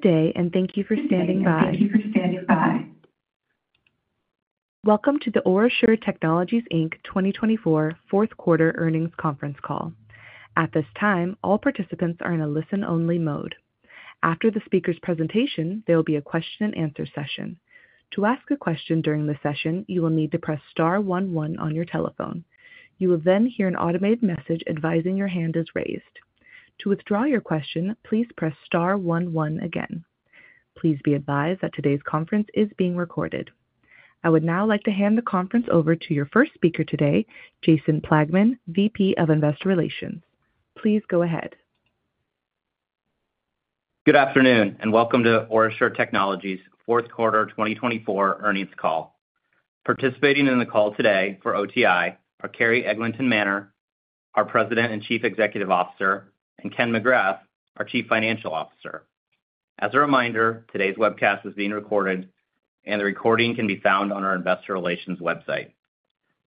Good day, and thank you for standing by. Thank you for standing by. Welcome to the OraSure Technologies 2024 Fourth Quarter Earnings Conference Call. At this time, all participants are in a listen-only mode. After the speaker's presentation, there will be a question-and-answer session. To ask a question during the session, you will need to press star 11 on your telephone. You will then hear an automated message advising your hand is raised. To withdraw your question, please press star one, one again. Please be advised that today's conference is being recorded. I would now like to hand the conference over to your first speaker today, Jason Plagman, VP of Investor Relations. Please go ahead. Good afternoon, and welcome to OraSure Technologies Fourth Quarter 2024 Earnings Call. Participating in the call today for OTI are Carrie Eglinton Manner, our President and Chief Executive Officer, and Ken McGrath, our Chief Financial Officer. As a reminder, today's webcast is being recorded, and the recording can be found on our Investor Relations website.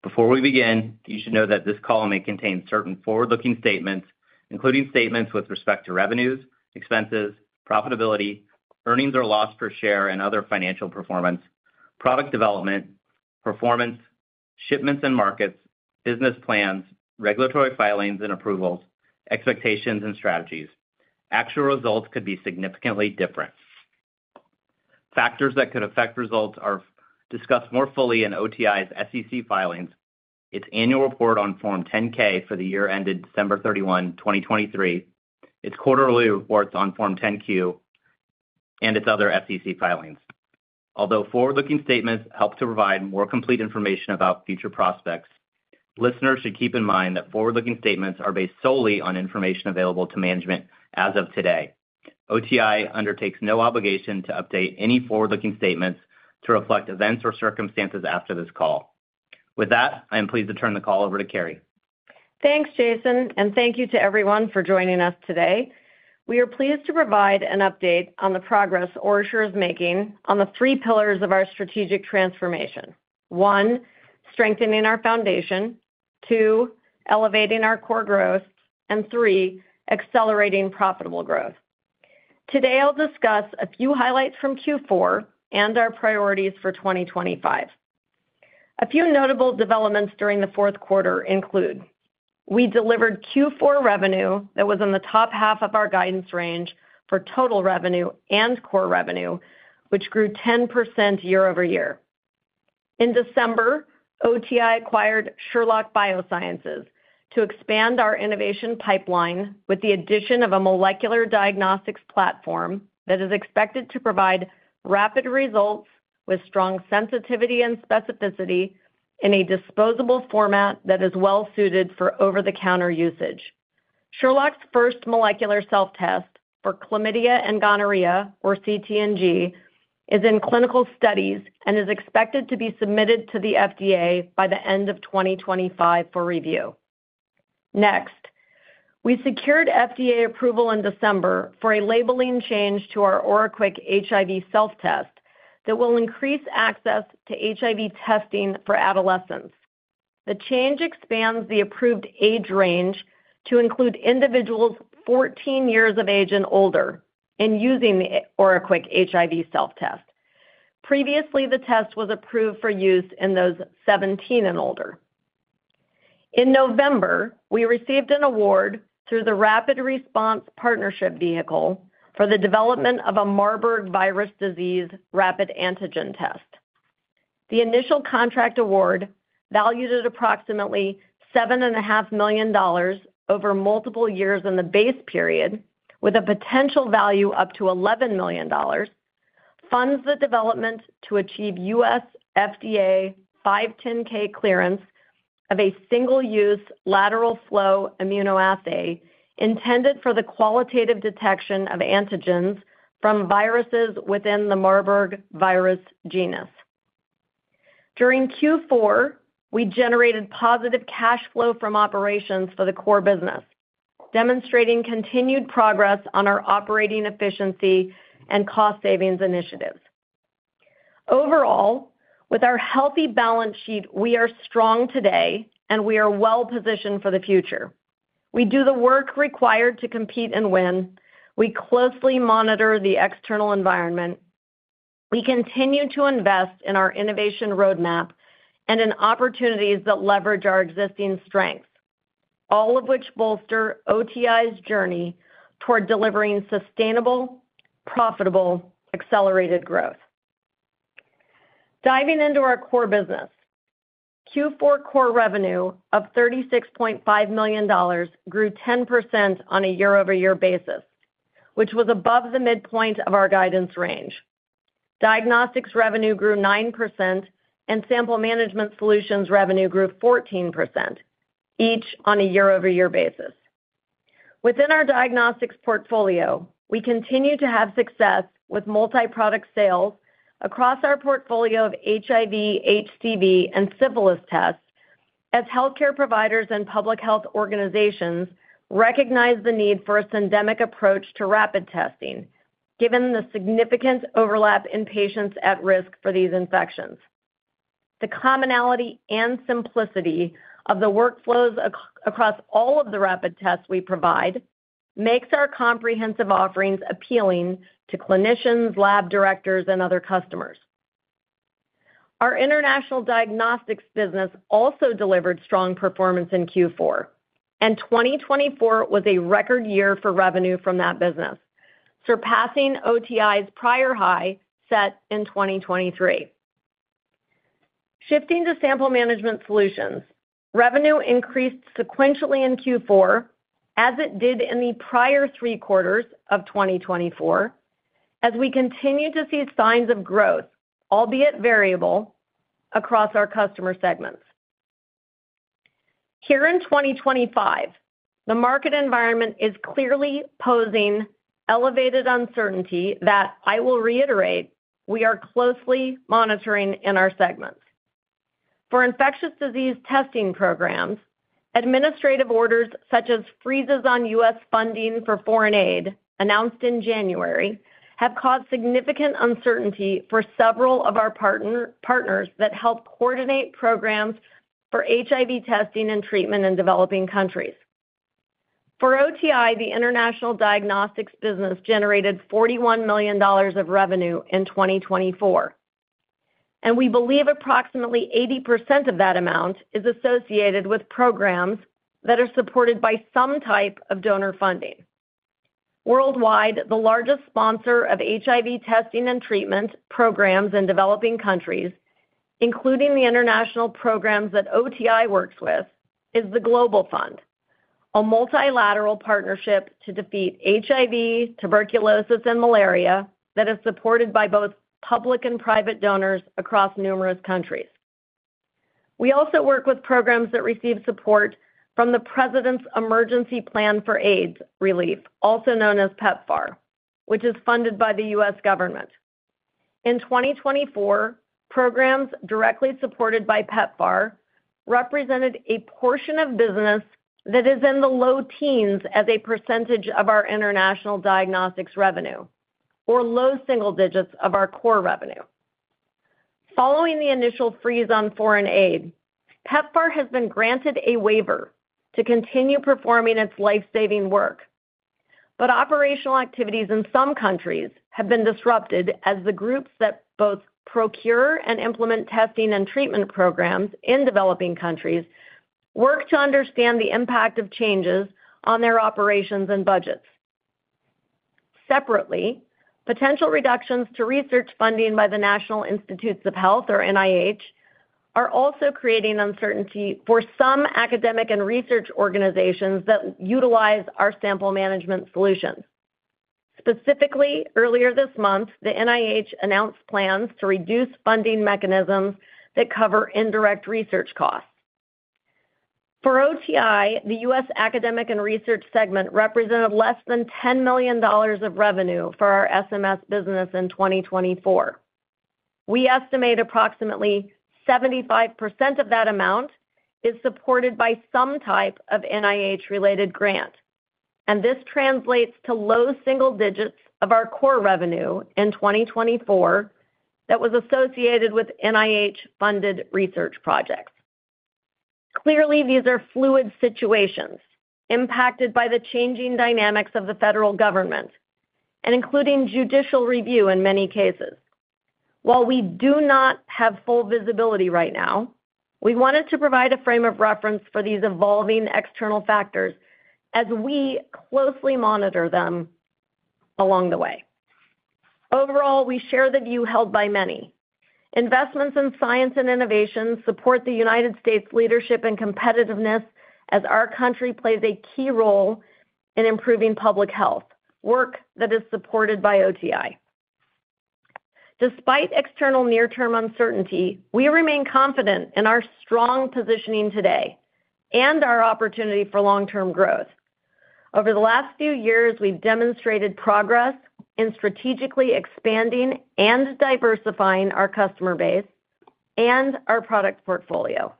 Before we begin, you should know that this call may contain certain forward-looking statements, including statements with respect to revenues, expenses, profitability, earnings or loss per share and other financial performance, product development, performance, shipments and markets, business plans, regulatory filings and approvals, expectations, and strategies. Actual results could be significantly different. Factors that could affect results are discussed more fully in OTI's SEC filings, its annual report on Form 10-K for the year ended December 31, 2023, its quarterly reports on Form 10-Q, and its other SEC filings. Although forward-looking statements help to provide more complete information about future prospects, listeners should keep in mind that forward-looking statements are based solely on information available to management as of today. OTI undertakes no obligation to update any forward-looking statements to reflect events or circumstances after this call. With that, I am pleased to turn the call over to Carrie. Thanks, Jason, and thank you to everyone for joining us today. We are pleased to provide an update on the progress OraSure is making on the three pillars of our strategic transformation: one, strengthening our foundation; two, elevating our core growth; and three, accelerating profitable growth. Today, I'll discuss a few highlights from Q4 and our priorities for 2025. A few notable developments during the fourth quarter include: we delivered Q4 revenue that was in the top half of our guidance range for total revenue and core revenue, which grew 10% year-over-year. In December, OTI acquired Sherlock Biosciences to expand our innovation pipeline with the addition of a molecular diagnostics platform that is expected to provide rapid results with strong sensitivity and specificity in a disposable format that is well-suited for over-the-counter usage. Sherlock's first molecular self-test for chlamydia and gonorrhea, or CT/NG, is in clinical studies and is expected to be submitted to the FDA by the end of 2025 for review. Next, we secured FDA approval in December for a labeling change to our OraQuick HIV self-test that will increase access to HIV testing for adolescents. The change expands the approved age range to include individuals 14 years of age and older in using the OraQuick HIV self-test. Previously, the test was approved for use in those 17 and older. In November, we received an award through the Rapid Response Partnership Vehicle for the development of a Marburg virus disease rapid antigen test. The initial contract award valued at approximately $7.5 million over multiple years in the base period, with a potential value up to $11 million, funds the development to achieve U.S. FDA 510(k) clearance of a single-use lateral flow immunoassay intended for the qualitative detection of antigens from viruses within the Marburg virus genus. During Q4, we generated positive cash flow from operations for the core business, demonstrating continued progress on our operating efficiency and cost savings initiatives. Overall, with our healthy balance sheet, we are strong today, and we are well-positioned for the future. We do the work required to compete and win. We closely monitor the external environment. We continue to invest in our innovation roadmap and in opportunities that leverage our existing strengths, all of which bolster OTI's journey toward delivering sustainable, profitable, accelerated growth. Diving into our core business, Q4 core revenue of $36.5 million grew 10% on a year-over-year basis, which was above the midpoint of our guidance range. Diagnostics revenue grew 9%, and sample management solutions revenue grew 14%, each on a year-over-year basis. Within our diagnostics portfolio, we continue to have success with multi-product sales across our portfolio of HIV, HCV, and syphilis tests, as healthcare providers and public health organizations recognize the need for a syndemic approach to rapid testing, given the significant overlap in patients at risk for these infections. The commonality and simplicity of the workflows across all of the rapid tests we provide makes our comprehensive offerings appealing to clinicians, lab directors, and other customers. Our international diagnostics business also delivered strong performance in Q4, and 2024 was a record year for revenue from that business, surpassing OTI's prior high set in 2023. Shifting to sample management solutions, revenue increased sequentially in Q4, as it did in the prior three quarters of 2024, as we continue to see signs of growth, albeit variable, across our customer segments. Here in 2025, the market environment is clearly posing elevated uncertainty that, I will reiterate, we are closely monitoring in our segments. For infectious disease testing programs, administrative orders such as freezes on U.S. funding for foreign aid announced in January have caused significant uncertainty for several of our partners that help coordinate programs for HIV testing and treatment in developing countries. For OTI, the international diagnostics business generated $41 million of revenue in 2024, and we believe approximately 80% of that amount is associated with programs that are supported by some type of donor funding. Worldwide, the largest sponsor of HIV testing and treatment programs in developing countries, including the international programs that OTI works with, is the Global Fund, a multilateral partnership to defeat HIV, tuberculosis, and malaria that is supported by both public and private donors across numerous countries. We also work with programs that receive support from the President's Emergency Plan for AIDS Relief, also known as PEPFAR, which is funded by the U.S. government. In 2024, programs directly supported by PEPFAR represented a portion of business that is in the low teens as a % of our international diagnostics revenue, or low single digits of our core revenue. Following the initial freeze on foreign aid, PEPFAR has been granted a waiver to continue performing its lifesaving work, but operational activities in some countries have been disrupted as the groups that both procure and implement testing and treatment programs in developing countries work to understand the impact of changes on their operations and budgets. Separately, potential reductions to research funding by the National Institutes of Health, or NIH, are also creating uncertainty for some academic and research organizations that utilize our sample management solutions. Specifically, earlier this month, the NIH announced plans to reduce funding mechanisms that cover indirect research costs. For OTI, the U.S. academic and research segment represented less than $10 million of revenue for our SMS business in 2024. We estimate approximately 75% of that amount is supported by some type of NIH-related grant, and this translates to low single digits of our core revenue in 2024 that was associated with NIH-funded research projects. Clearly, these are fluid situations impacted by the changing dynamics of the federal government and including judicial review in many cases. While we do not have full visibility right now, we wanted to provide a frame of reference for these evolving external factors as we closely monitor them along the way. Overall, we share the view held by many: investments in science and innovation support the United States' leadership and competitiveness as our country plays a key role in improving public health, work that is supported by OTI. Despite external near-term uncertainty, we remain confident in our strong positioning today and our opportunity for long-term growth. Over the last few years, we've demonstrated progress in strategically expanding and diversifying our customer base and our product portfolio.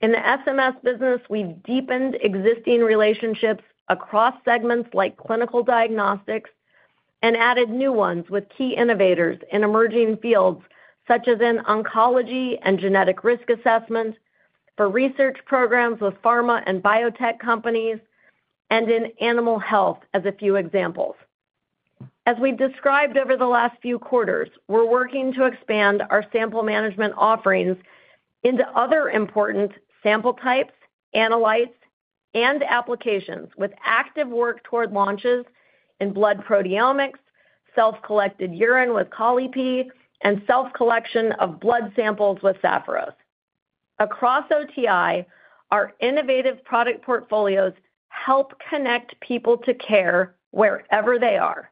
In the SMS business, we've deepened existing relationships across segments like clinical diagnostics and added new ones with key innovators in emerging fields such as in oncology and genetic risk assessment, for research programs with pharma and biotech companies, and in animal health as a few examples. As we've described over the last few quarters, we're working to expand our sample management offerings into other important sample types, analytes, and applications with active work toward launches in blood proteomics, self-collected urine with ColiP, and self-collection of blood samples with Sapphiros. Across OTI, our innovative product portfolios help connect people to care wherever they are.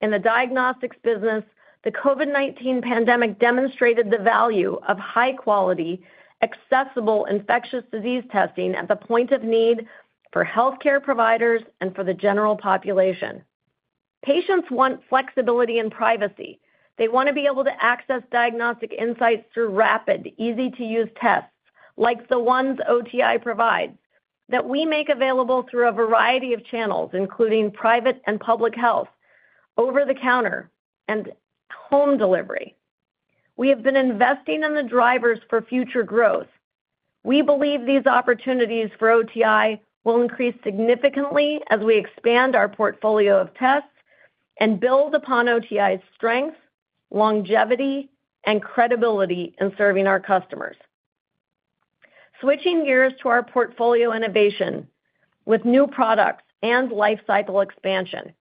In the diagnostics business, the COVID-19 pandemic demonstrated the value of high-quality, accessible infectious disease testing at the point of need for healthcare providers and for the general population. Patients want flexibility and privacy. They want to be able to access diagnostic insights through rapid, easy-to-use tests like the ones OTI provides that we make available through a variety of channels, including private and public health, over-the-counter, and home delivery. We have been investing in the drivers for future growth. We believe these opportunities for OTI will increase significantly as we expand our portfolio of tests and build upon OTI's strength, longevity, and credibility in serving our customers. Switching gears to our portfolio innovation with new products and lifecycle expansion,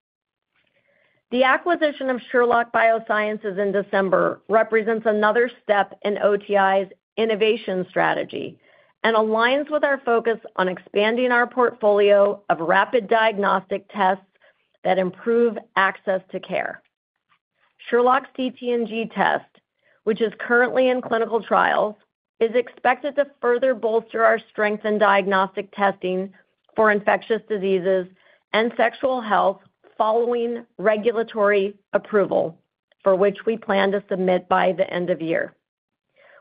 the acquisition of Sherlock Biosciences in December represents another step in OTI's innovation strategy and aligns with our focus on expanding our portfolio of rapid diagnostic tests that improve access to care. Sherlock's CT/NG test, which is currently in clinical trials, is expected to further bolster our strength in diagnostic testing for infectious diseases and sexual health following regulatory approval, for which we plan to submit by the end of the year.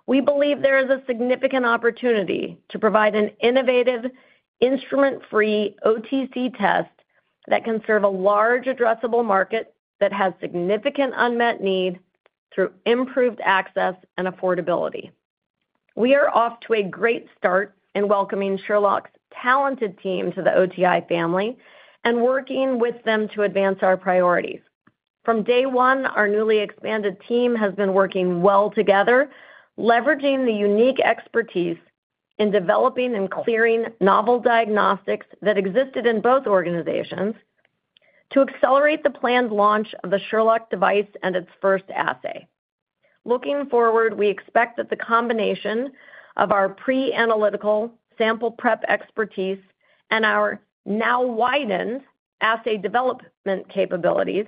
We believe there is a significant opportunity to provide an innovative, instrument-free OTC test that can serve a large addressable market that has significant unmet need through improved access and affordability. We are off to a great start in welcoming Sherlock's talented team to the OTI family and working with them to advance our priorities. From day one, our newly expanded team has been working well together, leveraging the unique expertise in developing and clearing novel diagnostics that existed in both organizations to accelerate the planned launch of the Sherlock device and its first assay. Looking forward, we expect that the combination of our pre-analytical sample prep expertise and our now widened assay development capabilities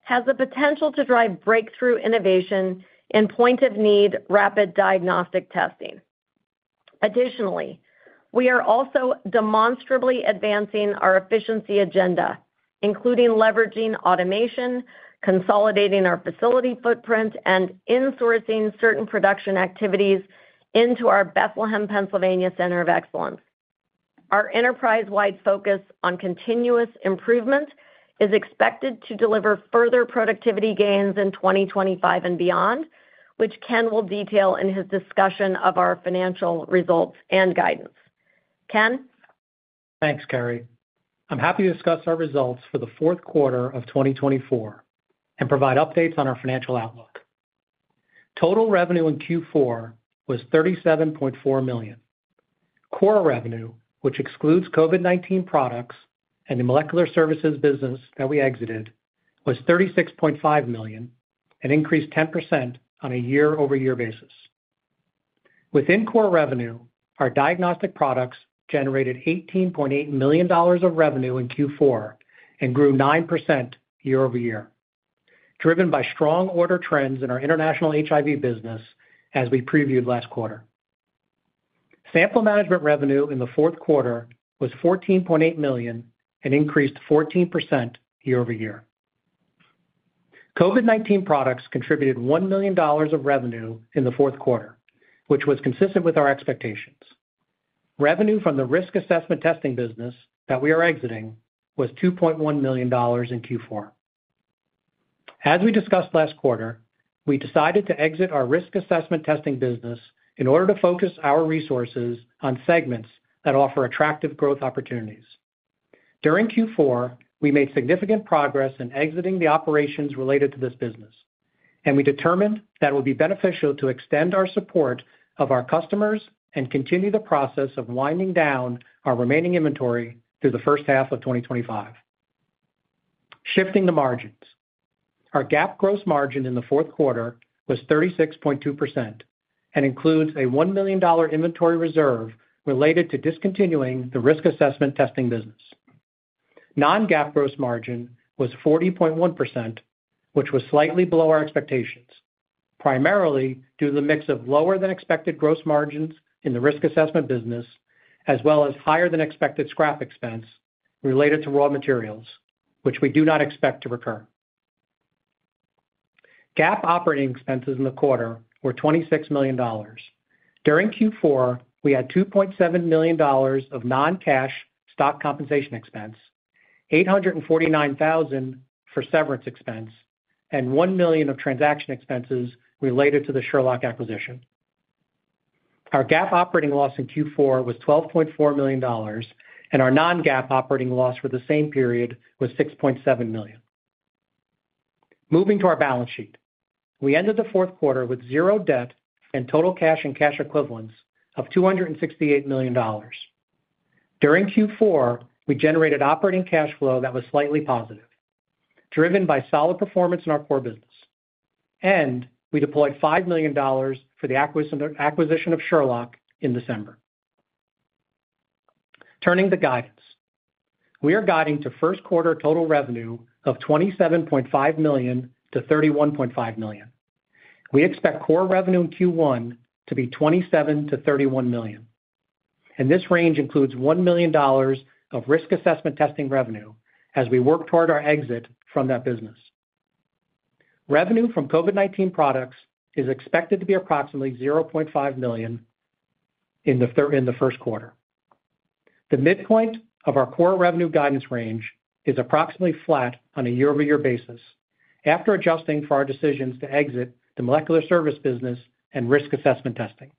has the potential to drive breakthrough innovation in point-of-need rapid diagnostic testing. Additionally, we are also demonstrably advancing our efficiency agenda, including leveraging automation, consolidating our facility footprint, and insourcing certain production activities into our Bethlehem, Pennsylvania Center of Excellence. Our enterprise-wide focus on continuous improvement is expected to deliver further productivity gains in 2025 and beyond, which Ken will detail in his discussion of our financial results and guidance. Ken? Thanks, Carrie. I'm happy to discuss our results for the fourth quarter of 2024 and provide updates on our financial outlook. Total revenue in Q4 was $37.4 million. Core revenue, which excludes COVID-19 products and the molecular services business that we exited, was $36.5 million and increased 10% on a year-over-year basis. Within core revenue, our diagnostic products generated $18.8 million of revenue in Q4 and grew 9% year-over-year, driven by strong order trends in our international HIV business as we previewed last quarter. Sample management revenue in the fourth quarter was $14.8 million and increased 14% year-over-year. COVID-19 products contributed $1 million of revenue in the fourth quarter, which was consistent with our expectations. Revenue from the risk assessment testing business that we are exiting was $2.1 million in Q4. As we discussed last quarter, we decided to exit our risk assessment testing business in order to focus our resources on segments that offer attractive growth opportunities. During Q4, we made significant progress in exiting the operations related to this business, and we determined that it would be beneficial to extend our support of our customers and continue the process of winding down our remaining inventory through the first half of 2025. Shifting the margins, our GAAP gross margin in the fourth quarter was 36.2% and includes a $1 million inventory reserve related to discontinuing the risk assessment testing business. Non-GAAP gross margin was 40.1%, which was slightly below our expectations, primarily due to the mix of lower-than-expected gross margins in the risk assessment business, as well as higher-than-expected scrap expense related to raw materials, which we do not expect to recur. GAAP operating expenses in the quarter were $26 million. During Q4, we had $2.7 million of non-cash stock compensation expense, $849,000 for severance expense, and $1 million of transaction expenses related to the Sherlock acquisition. Our GAAP operating loss in Q4 was $12.4 million, and our non-GAAP operating loss for the same period was $6.7 million. Moving to our balance sheet, we ended the fourth quarter with zero debt and total cash and cash equivalents of $268 million. During Q4, we generated operating cash flow that was slightly positive, driven by solid performance in our core business, and we deployed $5 million for the acquisition of Sherlock in December. Turning to guidance, we are guiding to first quarter total revenue of $27.5 million-$31.5 million. We expect core revenue in Q1 to be $27 million-$31 million, and this range includes $1 million of risk assessment testing revenue as we work toward our exit from that business. Revenue from COVID-19 products is expected to be approximately $0.5 million in the first quarter. The midpoint of our core revenue guidance range is approximately flat on a year-over-year basis after adjusting for our decisions to exit the molecular service business and risk assessment testing.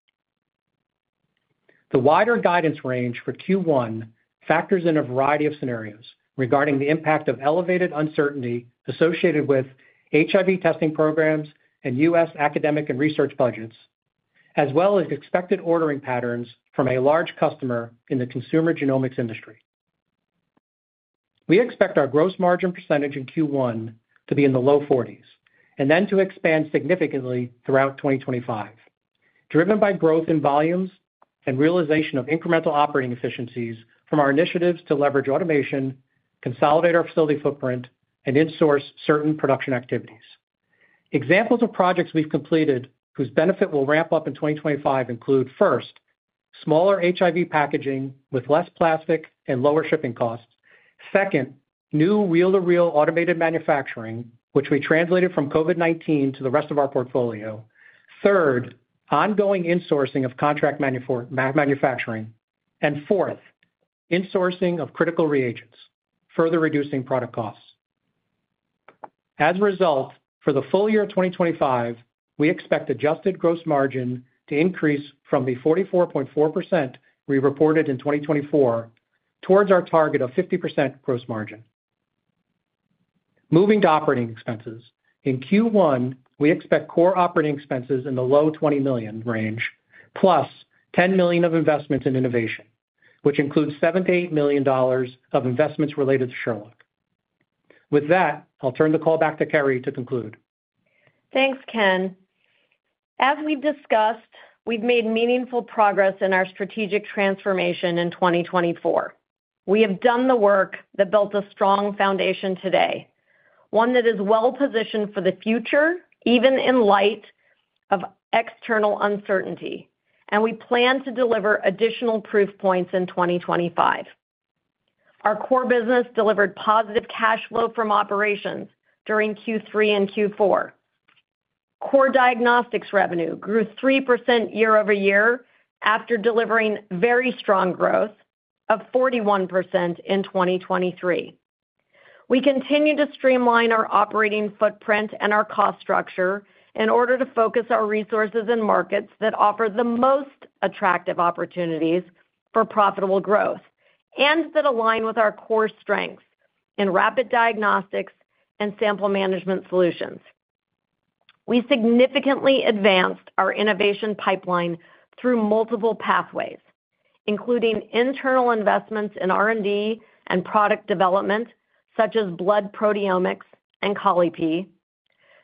The wider guidance range for Q1 factors in a variety of scenarios regarding the impact of elevated uncertainty associated with HIV testing programs and U.S. academic and research budgets, as well as expected ordering patterns from a large customer in the consumer genomics industry. We expect our gross margin percentage in Q1 to be in the low 40s and then to expand significantly throughout 2025, driven by growth in volumes and realization of incremental operating efficiencies from our initiatives to leverage automation, consolidate our facility footprint, and insource certain production activities. Examples of projects we've completed whose benefit will ramp up in 2025 include: first, smaller HIV packaging with less plastic and lower shipping costs; second, new reel-to-reel automated manufacturing, which we translated from COVID-19 to the rest of our portfolio; third, ongoing insourcing of contract manufacturing; and fourth, insourcing of critical reagents, further reducing product costs. As a result, for the full year of 2025, we expect adjusted gross margin to increase from the 44.4% we reported in 2024 towards our target of 50% gross margin. Moving to operating expenses, in Q1, we expect core operating expenses in the low $20 million range, plus $10 million of investments in innovation, which includes $7-8 million of investments related to Sherlock. With that, I'll turn the call back to Carrie to conclude. Thanks, Ken. As we've discussed, we've made meaningful progress in our strategic transformation in 2024. We have done the work that built a strong foundation today, one that is well-positioned for the future, even in light of external uncertainty, and we plan to deliver additional proof points in 2025. Our core business delivered positive cash flow from operations during Q3 and Q4. Core diagnostics revenue grew 3% year-over-year after delivering very strong growth of 41% in 2023. We continue to streamline our operating footprint and our cost structure in order to focus our resources and markets that offer the most attractive opportunities for profitable growth and that align with our core strengths in rapid diagnostics and sample management solutions. We significantly advanced our innovation pipeline through multiple pathways, including internal investments in R&D and product development, such as blood proteomics and Colipi.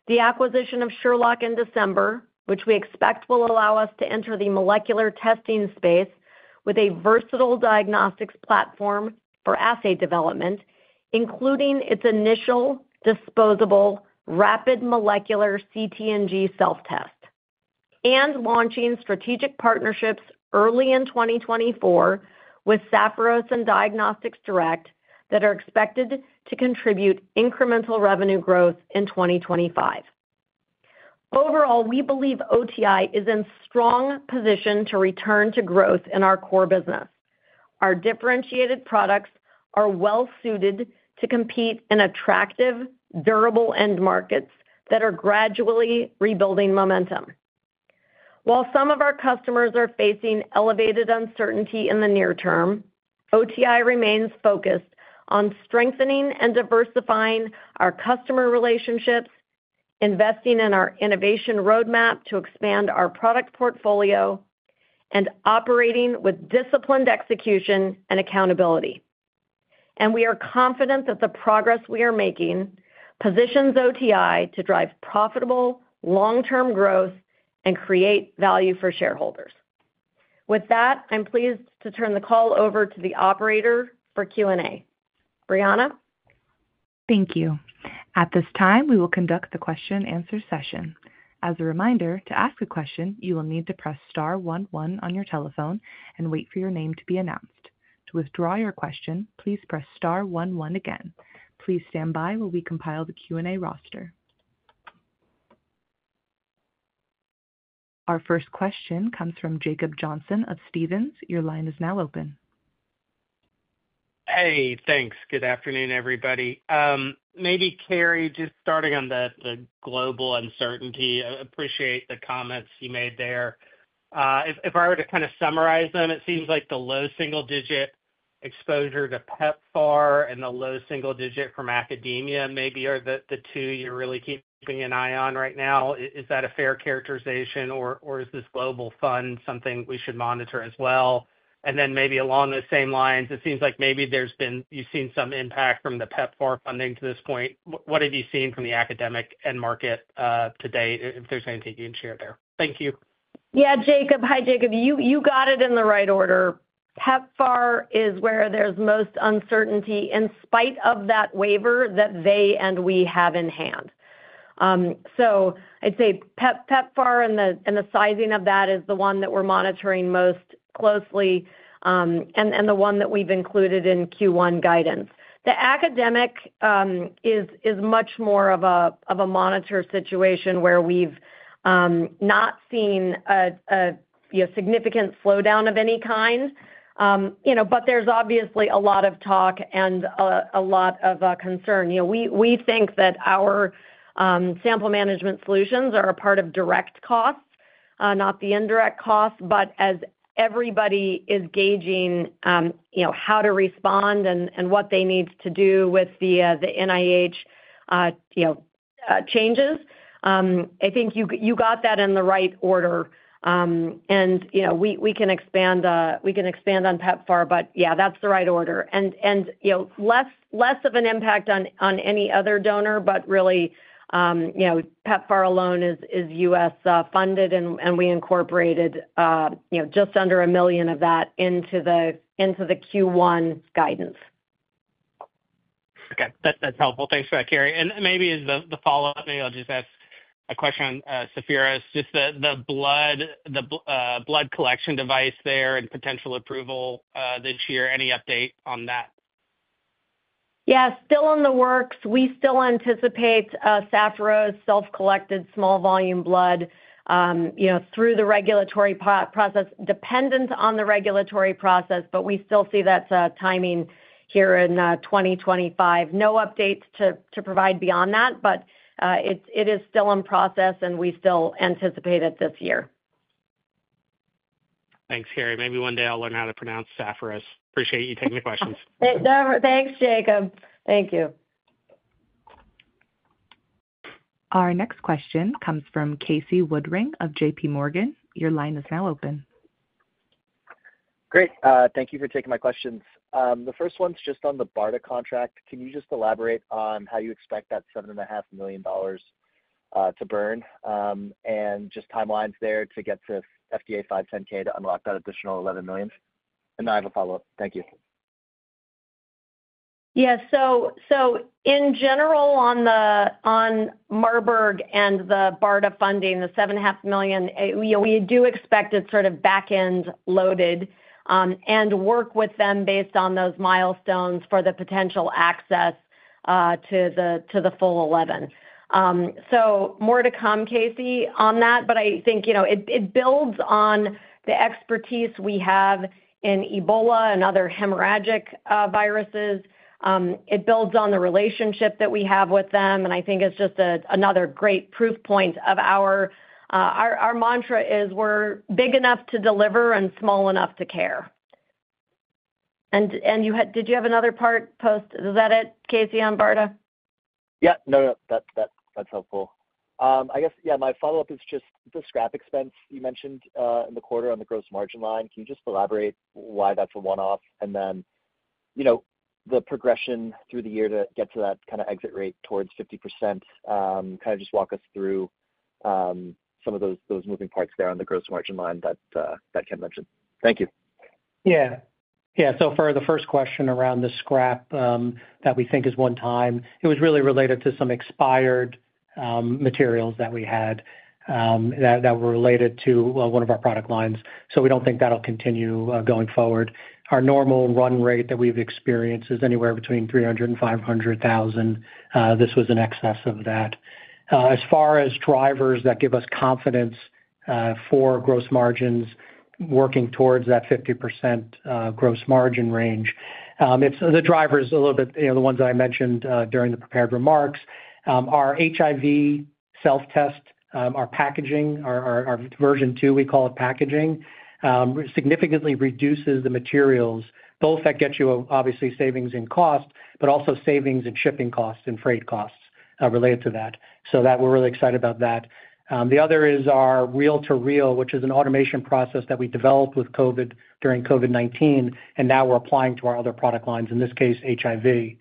The acquisition of Sherlock in December, which we expect will allow us to enter the molecular testing space with a versatile diagnostics platform for assay development, including its initial disposable rapid molecular CT/NG self-test, and launching strategic partnerships early in 2024 with Sapphiros and Diagnostics Direct that are expected to contribute incremental revenue growth in 2025. Overall, we believe OTI is in strong position to return to growth in our core business. Our differentiated products are well-suited to compete in attractive, durable end markets that are gradually rebuilding momentum. While some of our customers are facing elevated uncertainty in the near term, OTI remains focused on strengthening and diversifying our customer relationships, investing in our innovation roadmap to expand our product portfolio, and operating with disciplined execution and accountability. We are confident that the progress we are making positions OTI to drive profitable long-term growth and create value for shareholders. With that, I'm pleased to turn the call over to the operator for Q&A. Brianna? Thank you. At this time, we will conduct the question-and-answer session. As a reminder, to ask a question, you will need to press star 11 on your telephone and wait for your name to be announced. To withdraw your question, please press star one. again. Please stand by while we compile the Q&A roster. Our first question comes from Jacob Johnson of Stephens. Your line is now open. Hey, thanks. Good afternoon, everybody. Maybe Carrie, just starting on the global uncertainty, I appreciate the comments you made there. If I were to kind of summarize them, it seems like the low single-digit exposure to PEPFAR and the low single digit from academia maybe are the two you're really keeping an eye on right now. Is that a fair characterization, or is this Global Fund something we should monitor as well? Along the same lines, it seems like maybe you've seen some impact from the PEPFAR funding to this point. What have you seen from the academic end market to date, if there's anything you can share there? Thank you. Yeah, Jacob. Hi, Jacob. You got it in the right order. PEPFAR is where there's most uncertainty in spite of that waiver that they and we have in hand. I'd say PEPFAR and the sizing of that is the one that we're monitoring most closely and the one that we've included in Q1 guidance. The academic is much more of a monitor situation where we've not seen a significant slowdown of any kind, but there's obviously a lot of talk and a lot of concern. We think that our sample management solutions are a part of direct costs, not the indirect costs, but as everybody is gauging how to respond and what they need to do with the NIH changes, I think you got that in the right order. We can expand on PEPFAR, but yeah, that's the right order. Less of an impact on any other donor, but really PEPFAR alone is U.S. funded, and we incorporated just under $1 million of that into the Q1 guidance. Okay. That's helpful. Thanks for that, Carrie. Maybe as the follow-up, maybe I'll just ask a question on Sapphiros, just the blood collection device there and potential approval this year. Any update on that? Yeah, still in the works. We still anticipate Sapphiros self-collected small volume blood through the regulatory process, dependent on the regulatory process, but we still see that timing here in 2025. No updates to provide beyond that, but it is still in process, and we still anticipate it this year. Thanks, Carrie. Maybe one day I'll learn how to pronounce Sapphiros. Appreciate you taking the questions. Thanks, Jacob. Thank you. Our next question comes from Casey Woodring of JPMorgan. Your line is now open. Great. Thank you for taking my questions. The first one's just on the BARDA contract. Can you just elaborate on how you expect that $7.5 million to burn and just timelines there to get the FDA 510(k) to unlock that additional $11 million? I have a follow-up. Thank you. Yeah. In general, on Marburg and the BARDA funding, the $7.5 million, we do expect it sort of back-end loaded and work with them based on those milestones for the potential access to the full $11 million. More to come, Casey, on that, but I think it builds on the expertise we have in Ebola and other hemorrhagic viruses. It builds on the relationship that we have with them, and I think it's just another great proof point of our mantra is we're big enough to deliver and small enough to care. Did you have another part post? Is that it, Casey, on BARDA? Yeah. No, no. That's helpful. I guess, yeah, my follow-up is just the scrap expense you mentioned in the quarter on the gross margin line. Can you just elaborate why that's a one-off? And then the progression through the year to get to that kind of exit rate towards 50%, kind of just walk us through some of those moving parts there on the gross margin line that Ken mentioned. Thank you. Yeah. Yeah. For the first question around the scrap that we think is one time, it was really related to some expired materials that we had that were related to one of our product lines. We don't think that'll continue going forward. Our normal run rate that we've experienced is anywhere between $300,000 and $500,000. This was in excess of that. As far as drivers that give us confidence for gross margins working towards that 50% gross margin range, the drivers a little bit, the ones that I mentioned during the prepared remarks, our HIV self-test, our packaging, our version two, we call it packaging, significantly reduces the materials, both that get you obviously savings in cost, but also savings in shipping costs and freight costs related to that. We are really excited about that. The other is our reel-to-reel, which is an automation process that we developed during COVID-19, and now we are applying to our other product lines, in this case, HIV.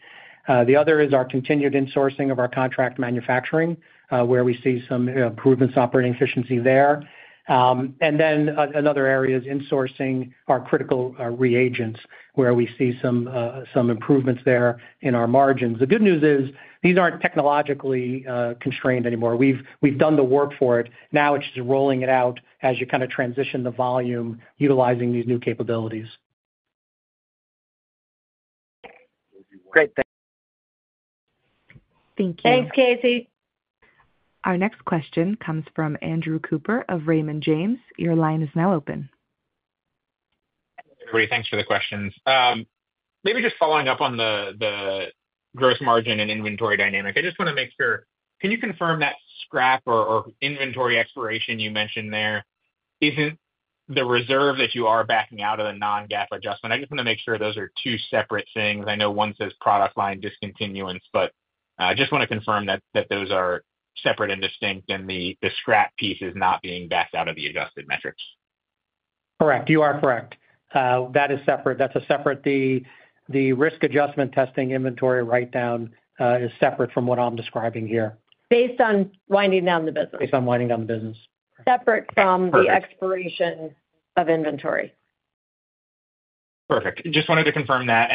The other is our continued insourcing of our contract manufacturing, where we see some improvements in operating efficiency there. Another area is insourcing our critical reagents, where we see some improvements there in our margins. The good news is these are not technologically constrained anymore. We've done the work for it. Now it's just rolling it out as you kind of transition the volume utilizing these new capabilities. Great. Thank you. Thanks, Casey. Our next question comes from Andrew Cooper of Raymond James. Your line is now open. Great. Thanks for the questions. Maybe just following up on the gross margin and inventory dynamic, I just want to make sure. Can you confirm that scrap or inventory expiration you mentioned there isn't the reserve that you are backing out of the non-GAAP adjustment? I just want to make sure those are two separate things. I know one says product line discontinuance, but I just want to confirm that those are separate and distinct and the scrap piece is not being backed out of the adjusted metrics. Correct. You are correct. That is separate. That's a separate, the risk adjustment testing inventory write-down is separate from what I'm describing here. Based on winding down the business. Based on winding down the business. Separate from the expiration of inventory. Perfect. Just wanted to confirm that.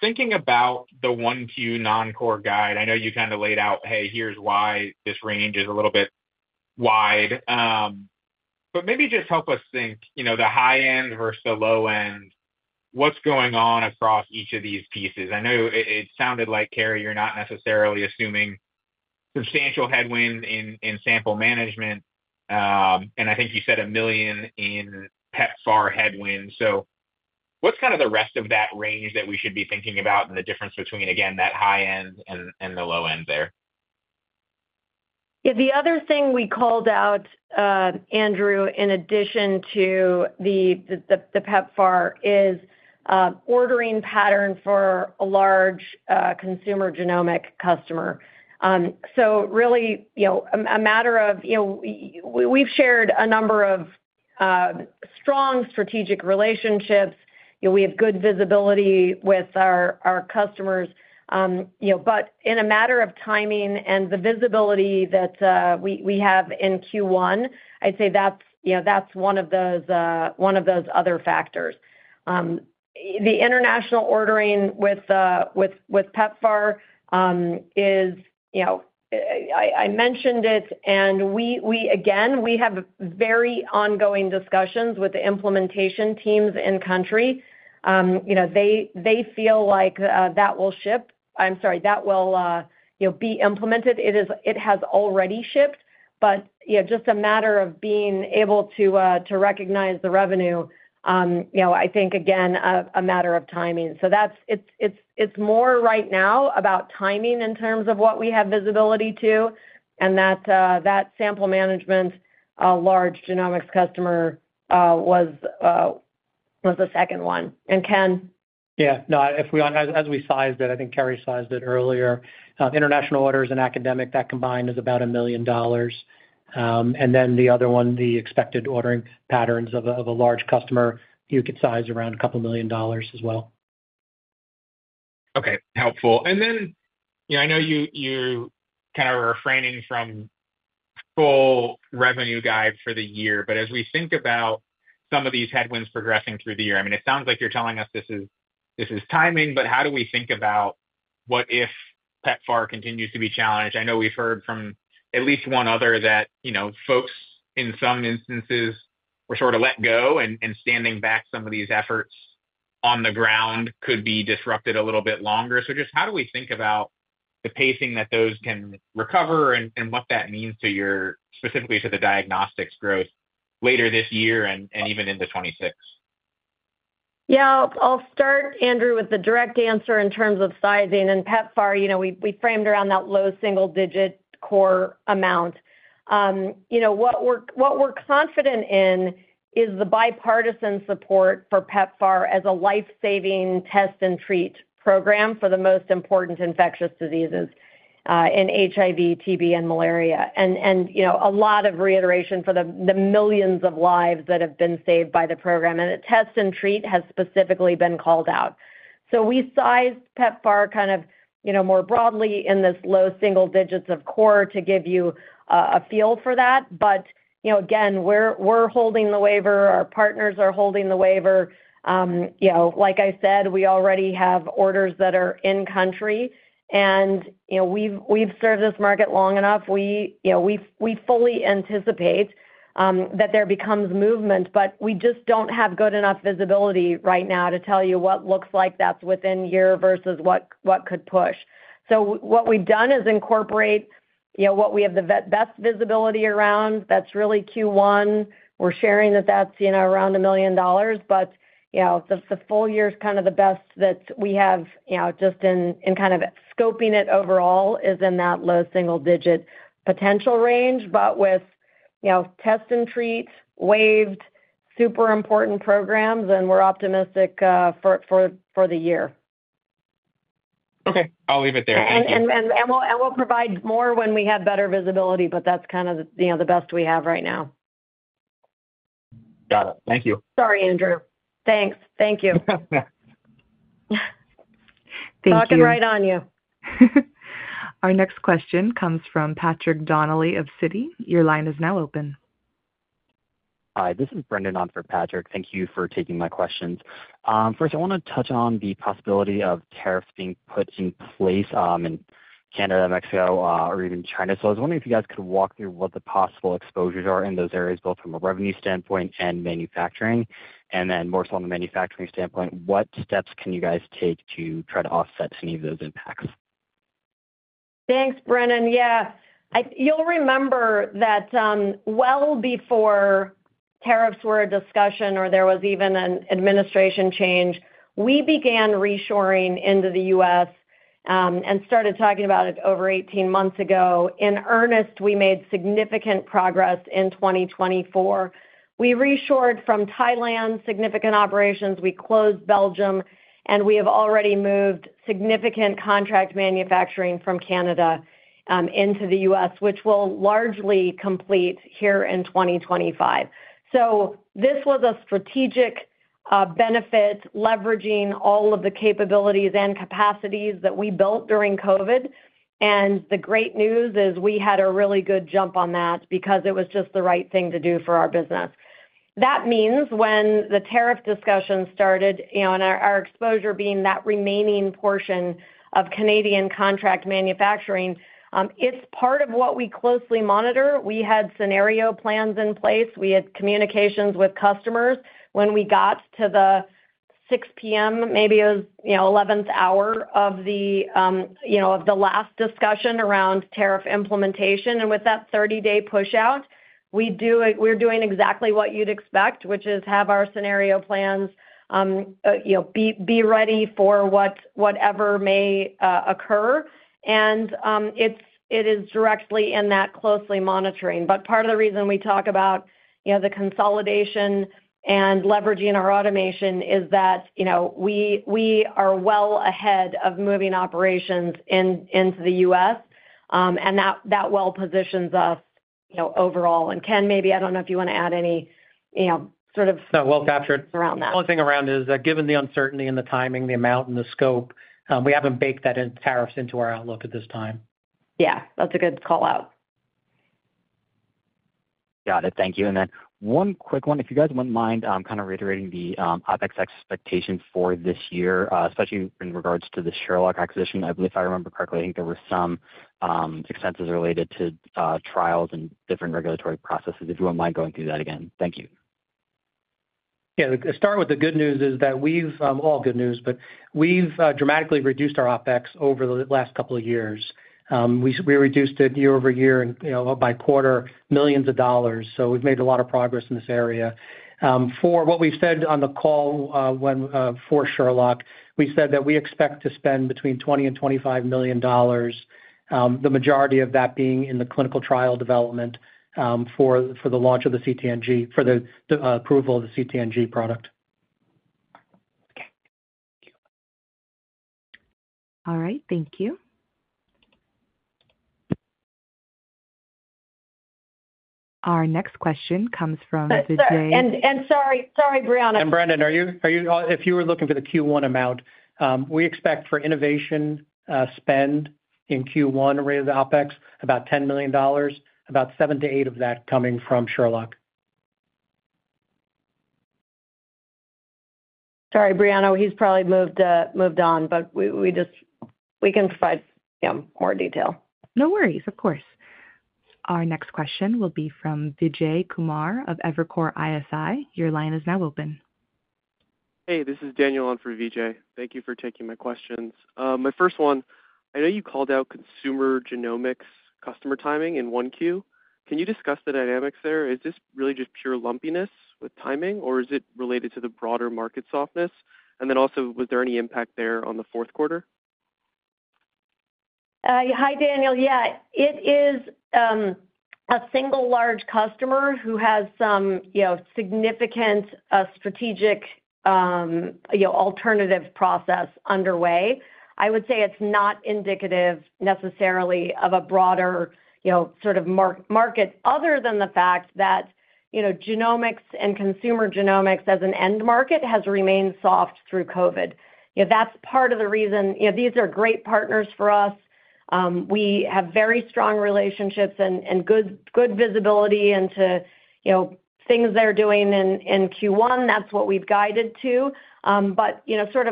Thinking about the one Q non-core guide, I know you kind of laid out, "Hey, here's why this range is a little bit wide." Maybe just help us think the high-end versus the low-end, what's going on across each of these pieces? I know it sounded like, Carrie, you're not necessarily assuming substantial headwind in sample management, and I think you said $1 million in PEPFAR headwind. What's kind of the rest of that range that we should be thinking about and the difference between, again, that high-end and the low-end there? The other thing we called out, Andrew, in addition to the PEPFAR, is ordering pattern for a large consumer genomic customer. Really a matter of we've shared a number of strong strategic relationships. We have good visibility with our customers. In a matter of timing and the visibility that we have in Q1, I'd say that's one of those other factors. The international ordering with PEPFAR is I mentioned it, and again, we have very ongoing discussions with the implementation teams in country. They feel like that will ship. I'm sorry, that will be implemented. It has already shipped, but just a matter of being able to recognize the revenue. I think, again, a matter of timing. It's more right now about timing in terms of what we have visibility to, and that sample management, large genomics customer was the second one. Ken? Yeah. No, as we sized it, I think Carrie sized it earlier. International orders and academic, that combined is about $1 million. And then the other one, the expected ordering patterns of a large customer, you could size around a couple million dollars as well. Okay. Helpful. I know you're kind of refraining from full revenue guide for the year, but as we think about some of these headwinds progressing through the year, I mean, it sounds like you're telling us this is timing, but how do we think about what if PEPFAR continues to be challenged? I know we've heard from at least one other that folks in some instances were sort of let go, and standing back some of these efforts on the ground could be disrupted a little bit longer. Just how do we think about the pacing that those can recover and what that means to your specifically to the diagnostics growth later this year and even into 2026? Yeah. I'll start, Andrew, with the direct answer in terms of sizing. And PEPFAR, we framed around that low single-digit core amount. What we're confident in is the bipartisan support for PEPFAR as a life-saving test and treat program for the most important infectious diseases in HIV, TB, and malaria. A lot of reiteration for the millions of lives that have been saved by the program, and the test and treat has specifically been called out. We sized PEPFAR kind of more broadly in this low single digits of core to give you a feel for that. Again, we're holding the waiver. Our partners are holding the waiver. Like I said, we already have orders that are in country, and we've served this market long enough. We fully anticipate that there becomes movement, but we just do not have good enough visibility right now to tell you what looks like that's within year versus what could push. What we've done is incorporate what we have the best visibility around. That's really Q1. We're sharing that that's around $1 million, but the full year is kind of the best that we have just in kind of scoping it overall is in that low single-digit potential range, with test and treat, waived, super important programs, and we're optimistic for the year. Okay. I'll leave it there. Thank you. We'll provide more when we have better visibility, but that's kind of the best we have right now. Got it. Thank you. Sorry, Andrew. Thanks. Thank you. Talking right on you. Our next question comes from Patrick Donnelly of Citi. Your line is now open. Hi. This is Brendan on for Patrick. Thank you for taking my questions. First, I want to touch on the possibility of tariffs being put in place in Canada, Mexico, or even China. I was wondering if you guys could walk through what the possible exposures are in those areas, both from a revenue standpoint and manufacturing, and then more so on the manufacturing standpoint, what steps can you guys take to try to offset any of those impacts? Thanks, Brendan. Yeah. You'll remember that well before tariffs were a discussion or there was even an administration change, we began reshoring into the U.S. and started talking about it over 18 months ago. In earnest, we made significant progress in 2024. We reshored from Thailand, significant operations. We closed Belgium, and we have already moved significant contract manufacturing from Canada into the U.S., which will largely complete here in 2025. This was a strategic benefit, leveraging all of the capabilities and capacities that we built during COVID. The great news is we had a really good jump on that because it was just the right thing to do for our business. That means when the tariff discussion started and our exposure being that remaining portion of Canadian contract manufacturing, it is part of what we closely monitor. We had scenario plans in place. We had communications with customers. When we got to the 6:00 P.M., maybe it was 11th hour of the last discussion around tariff implementation. With that 30-day push out, we are doing exactly what you would expect, which is have our scenario plans be ready for whatever may occur. It is directly in that closely monitoring. Part of the reason we talk about the consolidation and leveraging our automation is that we are well ahead of moving operations into the U.S., and that well positions us overall. Ken, maybe I do not know if you want to add any sort of. No, well captured. The only thing around is that given the uncertainty and the timing, the amount, and the scope, we have not baked that into tariffs into our outlook at this time. Yeah. That is a good call out. Got it. Thank you. One quick one. If you guys would not mind kind of reiterating the OpEx expectations for this year, especially in regards to the Sherlock acquisition, if I remember correctly, I think there were some expenses related to trials and different regulatory processes. If you would not mind going through that again. Thank you. Yeah. To start with, the good news is that we've all good news, but we've dramatically reduced our OpEx over the last couple of years. We reduced it year-over-year and by quarter millions of dollars. So we've made a lot of progress in this area. For what we've said on the call for Sherlock, we said that we expect to spend between $20 million and $25 million, the majority of that being in the clinical trial development for the launch of the CT/NG, for the approval of the CT/NG product. Okay. Thank you. All right. Thank you. Our next question comes from the day. And sorry, Brianna. And Brendan, if you were looking for the Q1 amount, we expect for innovation spend in Q1 related to OpEx about $10 million, about $7 million to $8 million of that coming from Sherlock. Sorry, Brianna. He's probably moved on, but we can provide more detail. No worries. Of course. Our next question will be from Vijay Kumar of Evercore ISI. Your line is now open. Hey, this is Daniel on for Vijay. Thank you for taking my questions. My first one, I know you called out consumer genomics customer timing in 1Q. Can you discuss the dynamics there? Is this really just pure lumpiness with timing, or is it related to the broader market softness? Also, was there any impact there on the fourth quarter? Hi, Daniel. Yeah. It is a single large customer who has some significant strategic alternative process underway. I would say it's not indicative necessarily of a broader sort of market other than the fact that genomics and consumer genomics as an end market has remained soft through COVID. That's part of the reason these are great partners for us. We have very strong relationships and good visibility into things they're doing in Q1. That's what we've guided to.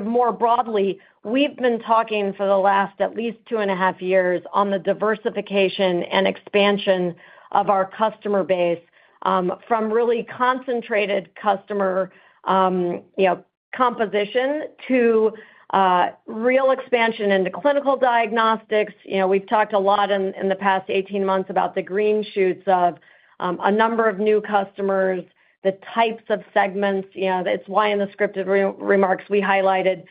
More broadly, we've been talking for the last at least two and a half years on the diversification and expansion of our customer base from really concentrated customer composition to real expansion into clinical diagnostics. We've talked a lot in the past 18 months about the green shoots of a number of new customers, the types of segments. It's why in the scripted remarks we highlighted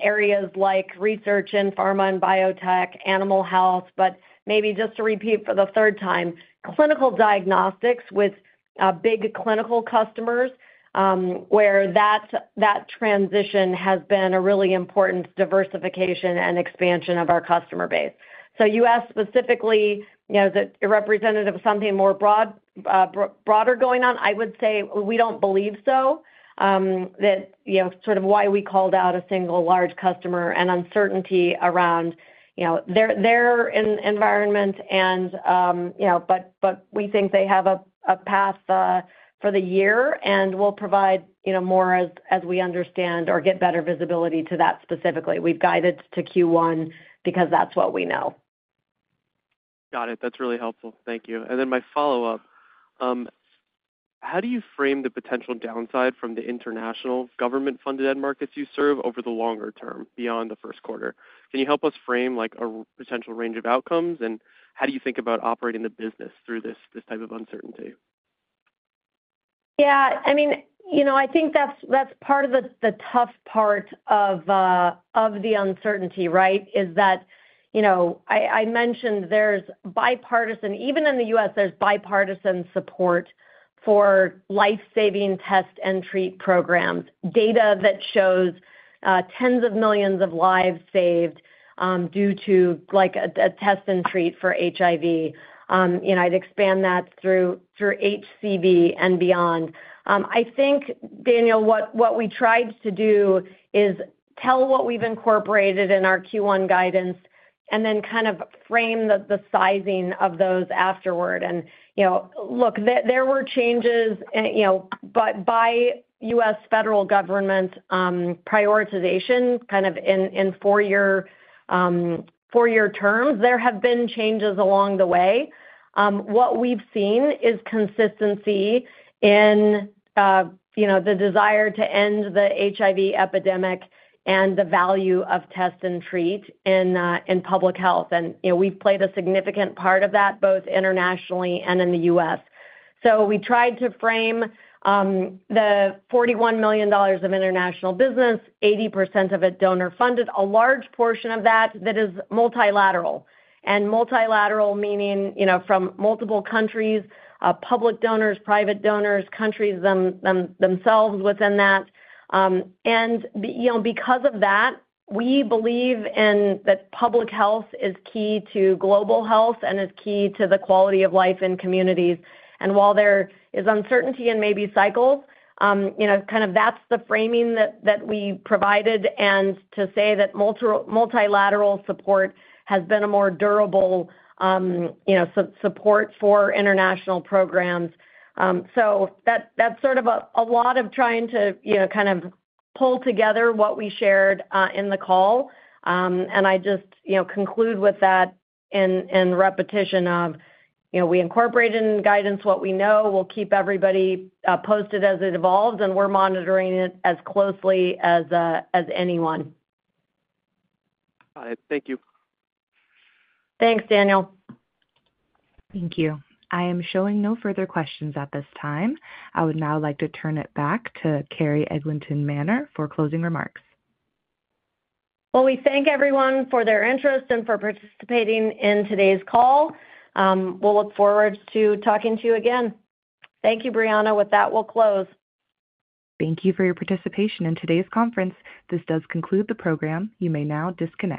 areas like research in pharma and biotech, animal health. Maybe just to repeat for the third time, clinical diagnostics with big clinical customers where that transition has been a really important diversification and expansion of our customer base. You asked specifically, is it a representative of something more broader going on? I would say we do not believe so. That is sort of why we called out a single large customer and uncertainty around their environment. We think they have a path for the year and will provide more as we understand or get better visibility to that specifically. We have guided to Q1 because that is what we know. Got it. That is really helpful. Thank you. My follow-up, how do you frame the potential downside from the international government-funded end markets you serve over the longer term beyond the first quarter? Can you help us frame a potential range of outcomes? How do you think about operating the business through this type of uncertainty? Yeah. I mean, I think that's part of the tough part of the uncertainty, right, is that I mentioned there's bipartisan, even in the U.S., there's bipartisan support for life-saving test and treat programs, data that shows tens of millions of lives saved due to a test and treat for HIV. I'd expand that through HCV and beyond. I think, Daniel, what we tried to do is tell what we've incorporated in our Q1 guidance and then kind of frame the sizing of those afterward. Look, there were changes, but by U.S. federal government prioritization kind of in four-year terms, there have been changes along the way. What we've seen is consistency in the desire to end the HIV epidemic and the value of test and treat in public health. We've played a significant part of that both internationally and in the U.S. We tried to frame the $41 million of international business, 80% of it donor-funded, a large portion of that that is multilateral. Multilateral meaning from multiple countries, public donors, private donors, countries themselves within that. Because of that, we believe that public health is key to global health and is key to the quality of life in communities. While there is uncertainty and maybe cycles, kind of that's the framing that we provided to say that multilateral support has been a more durable support for international programs. That's sort of a lot of trying to kind of pull together what we shared in the call. I just conclude with that in repetition of we incorporate in guidance what we know. We'll keep everybody posted as it evolves, and we're monitoring it as closely as anyone. Got it. Thank you. Thanks, Daniel. Thank you. I am showing no further questions at this time. I would now like to turn it back to Carrie Eglinton Manner for closing remarks. We thank everyone for their interest and for participating in today's call. We'll look forward to talking to you again. Thank you, Brianna. With that, we'll close. Thank you for your participation in today's conference. This does conclude the program. You may now disconnect.